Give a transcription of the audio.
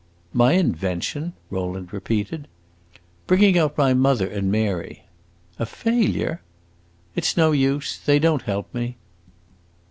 "My invention?" Rowland repeated. "Bringing out my mother and Mary." "A failure?" "It 's no use! They don't help me."